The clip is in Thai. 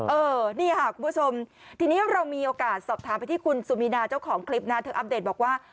เออนี่ค่ะคุณผู้ชมทีนี้เรามีโอกาสสอบถามไปที่คุณสุมีนาเจ้าของคลิปนะเธออัปเดตบอกว่า